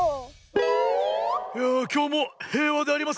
いやあきょうもへいわでありますなあ。